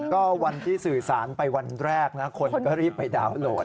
ก็วันที่สื่อสารไปวันแรกนะคนก็รีบไปดาวน์โหลด